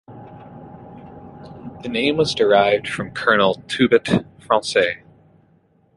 The name was derived from Colonel Turbutt Francis.